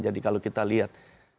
jadi kalau kita lihat